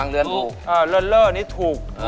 เดี๋ยวเล่ออันนี้ถูก